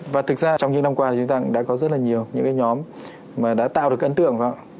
và thực ra trong những năm qua thì chúng ta cũng đã có rất là nhiều những cái nhóm mà đã tạo được ấn tượng không ạ